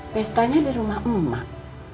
pestanya di rumah emak